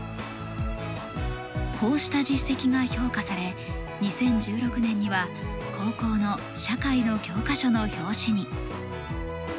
こうした実績が評価され２０１６年には高校の社会の教科書の表紙に。